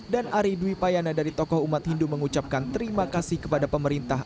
dan ari dwi payana dari tokoh umat hindu mengucapkan terima kasih kepada pemerintah